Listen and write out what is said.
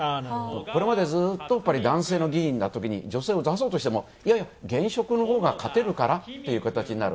これまで、ずっと男性の議員だったときの女性を出そうとしても、現職のほうが勝てるからという形になる。